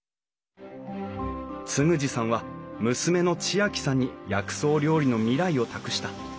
嗣二さんは娘の知亜季さんに薬草料理の未来を託した。